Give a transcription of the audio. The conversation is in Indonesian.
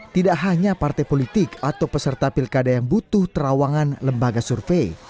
tidak hanya partai politik atau peserta pilkada yang butuh terawangan lembaga survei